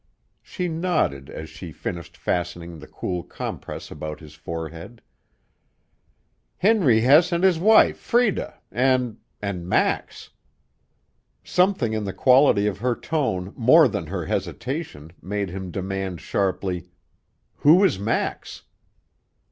She nodded as she finished fastening the cool compress about his forehead. "Henry Hess an' his wife, Freida, an' an' Max." Something in the quality of her tone more than her hesitation made him demand sharply: "Who is Max?"